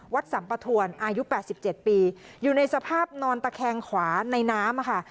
สัมปทวนอายุ๘๗ปีอยู่ในสภาพนอนตะแคงขวาในน้ำค่ะ